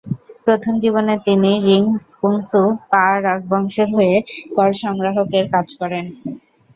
প্রথম জীবনে তিনি রিং-স্পুংস-পা রাজবংশের হয়ে কর-সংগ্রাহকের কাজ করেন।